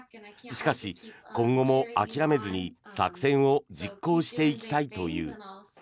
しかし、今後も諦めずに作戦を実行していきたいという。